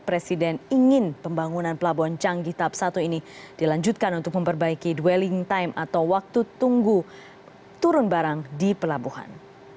presiden ingin pembangunan pelabuhan canggih tahap satu ini dilanjutkan untuk memperbaiki dwelling time atau waktu tunggu turun barang di pelabuhan